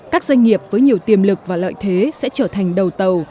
các doanh nghiệp với nhiều tiềm lực và lợi thế sẽ trở thành đầu tàu